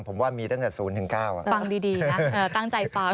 ผมว่ามีตั้งแต่๐๙ฟังดีนะตั้งใจฟัง